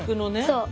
そう。